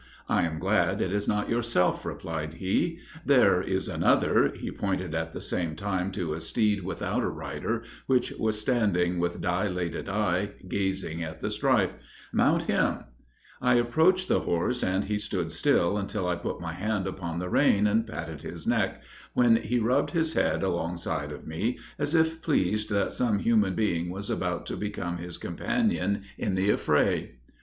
I am glad it is not yourself,' replied he; 'there is another,' (pointing at the same time to a steed without a rider, which was standing with dilated eye, gazing at the strife,) 'mount him,' I approached the horse, and he stood still until I put my hand upon the rein and patted his neck, when he rubbed his head alongside of me, as if pleased that some human being was about to become his companion in the affray.